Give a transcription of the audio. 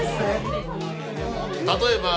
例えば。